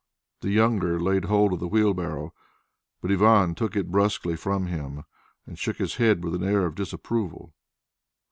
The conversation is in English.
The younger laid hold of the wheelbarrow, but Ivan took it brusquely from him, and shook his head with an air of disapproval.